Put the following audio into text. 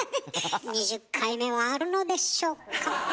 ２０回目はあるのでしょうか。